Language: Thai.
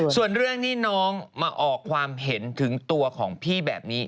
ส่วนเรื่องที่น้องมาออกความเห็นถึงตัวของพี่แบบนี้